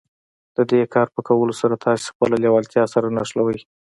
د دې کار په کولو سره تاسې خپله لېوالتیا سره نښلوئ.